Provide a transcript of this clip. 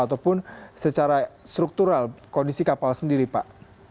ataupun secara struktural kondisi kapal sendiri pak